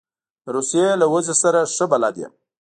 د روسیې له وضع سره ښه بلد یم.